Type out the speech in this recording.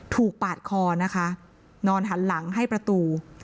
ปาดคอนะคะนอนหันหลังให้ประตู